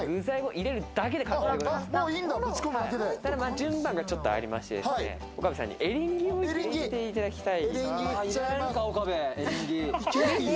順番がちょっとありまして、岡部さんにエリンギを入れていただきたい。